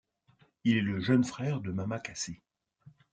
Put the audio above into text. Il est le jeune frère de Mama Casset.